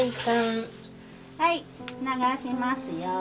はい流しますよ。